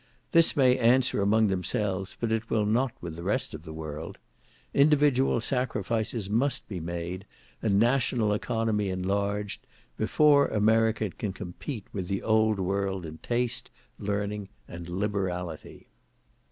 This may answer among themselves, but it will not with the rest of the world; individual sacrifices must be made, and national economy enlarged, before America can compete with the old world in taste, learning, and liberality.